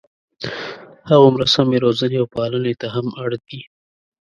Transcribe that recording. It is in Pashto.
هغومره سمې روزنې او پالنې ته هم اړ دي.